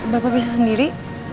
bapak bisa sendiri